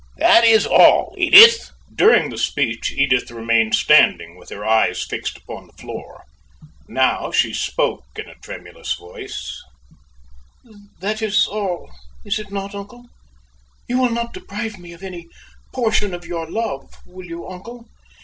That is all, Edith." During the speech Edith remained standing, with her eyes fixed upon the floor. Now, she spoke in a tremulous voice: "That is all is it not, uncle? You will not deprive me of any portion of your love; will you, uncle?"